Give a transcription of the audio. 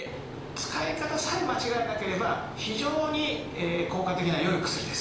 使い方さえ間違えなければ非常に効果的な良いお薬です。